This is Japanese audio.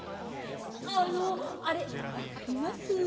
あのあれわかります？